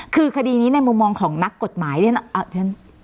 คือคดีนี้ในมุมมองของนักกฎหมายเนี่ย